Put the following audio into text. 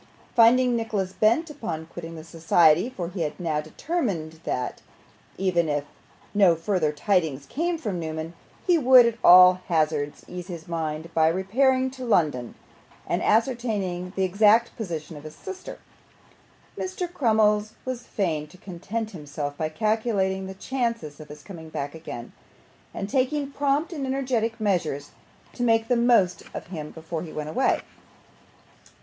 Finding Nicholas bent upon quitting the society for he had now determined that, even if no further tidings came from Newman, he would, at all hazards, ease his mind by repairing to London and ascertaining the exact position of his sister Mr. Crummles was fain to content himself by calculating the chances of his coming back again, and taking prompt and energetic measures to make the most of him before he went away.